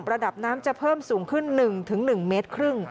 ระดับน้ำจะเพิ่มสูงขึ้น๑๑เมตรครึ่ง